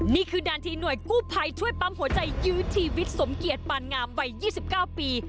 นี่คือด้านที่หน่วยกู้ภัยช่วยปั๊มหัวใจยื้อชีวิตสมเกียจปานงามวัย๒๙ปี